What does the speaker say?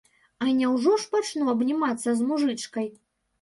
А няўжо ж пачну абнімацца з мужычкай?